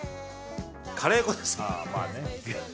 カレー粉です。